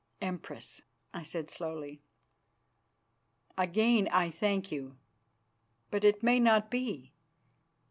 "Empress," I said slowly, "again I thank you, but it may not be.